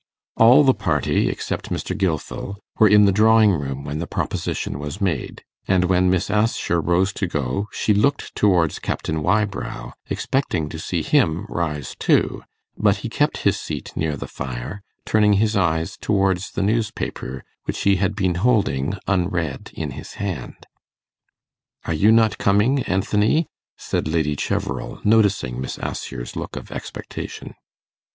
All the party, except Mr. Gilfil, were in the drawing room when the proposition was made; and when Miss Assher rose to go, she looked towards Captain Wybrow, expecting to see him rise too; but he kept his seat near the fire, turning his eyes towards the newspaper which he had been holding unread in his hand. 'Are you not coming, Anthony?' said Lady Cheverel, noticing Miss Assher's look of expectation.